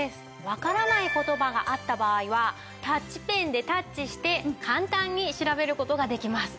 わからない言葉があった場合はタッチペンでタッチして簡単に調べる事ができます。